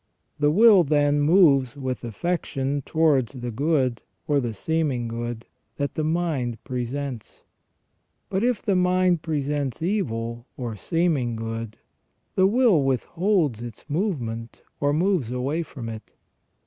The will, then, moves with affection towards the good, or the seeming good, that the mind presents. But if the mind presents evil, or seeming evil, the will withholds its move ment or moves away from it.